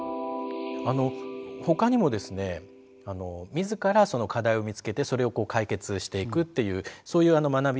他にもですね自らその課題を見つけてそれを解決していくっていうそういう学び